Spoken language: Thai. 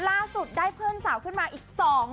ล่าสุดได้เพื่อนสาวขึ้นมาอีก๒คน